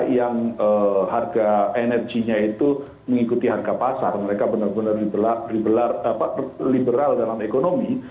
yang harga energinya itu mengikuti harga pasar mereka benar benar liberal dalam ekonomi